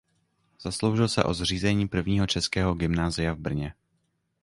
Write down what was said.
Zasloužil se o zřízení prvního českého gymnázia v Brně.